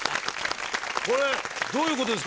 これどういう事ですか？